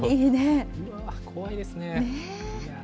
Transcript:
怖いですね。